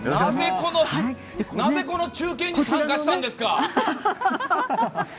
なぜ、この中継に参加したんですか。